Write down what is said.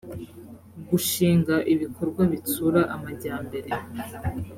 gushinga ibikorwa bitsura amajyambere